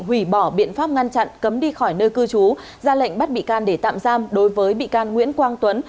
hủy bỏ biện pháp ngăn chặn cấm đi khỏi nơi cư trú ra lệnh bắt bị can để tạm giam đối với bị can nguyễn quang tuấn